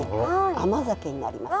甘酒になります。